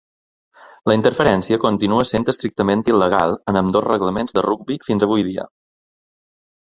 La interferència continua sent estrictament il·legal en ambdós reglaments de rugbi fins avui dia.